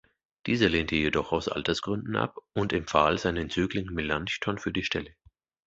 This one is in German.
Dieser lehnte jedoch aus Altersgründen ab und empfahl seinen Zögling Melanchthon für die Stelle.